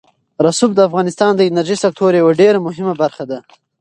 رسوب د افغانستان د انرژۍ سکتور یوه ډېره مهمه برخه ده.